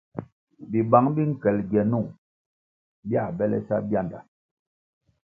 Bibang bi nkel gienung bia bele sa bianda.